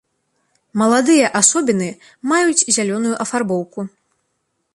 Маладыя асобіны маюць зялёную афарбоўку.